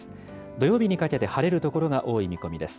土曜日にかけて晴れる所が多い見込みです。